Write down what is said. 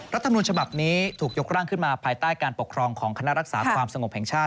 รัฐมนุนฉบับนี้ถูกยกร่างขึ้นมาภายใต้การปกครองของคณะรักษาความสงบแห่งชาติ